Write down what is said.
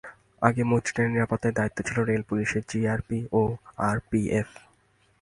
আগে মৈত্রী ট্রেনের নিরাপত্তার দায়িত্বে ছিল রেল পুলিশ জিআরপি ও আরপিএফ।